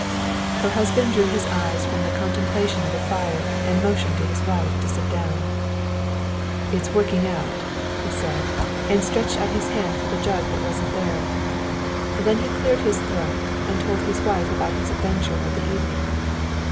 Her husband drew his eyes from the contemplation of the fire and motioned to his wife to sit down. "It's working out," he said, and stretched out his hand for the jug that wasn't there. Then he cleared his throat and told his wife about his adventure of the evening.